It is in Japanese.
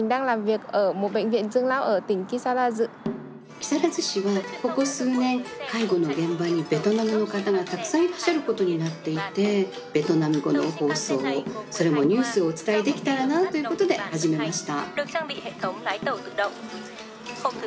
木更津市はここ数年介護の現場にベトナムの方がたくさんいらっしゃることになっていてベトナム語の放送をそれもニュースをお伝えできたらなということで始めました。